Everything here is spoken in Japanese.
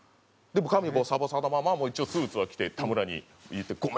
髪ボサボサのまま一応スーツは着て田村に「ごめんな」